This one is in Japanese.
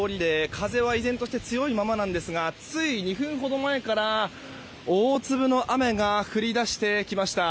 風は依然として強いままですがつい２分ほど前から大粒の雨が降り出してきました。